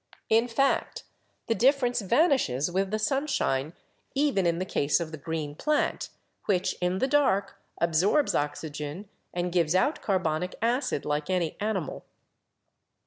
In fact, the difference vanishes with the sunshine, even in the case of the green plant, which in the dark absorbs oxy gen and gives out carbonic acid like any animal.